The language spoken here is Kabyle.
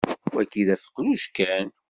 Wagi d afeqluj kan.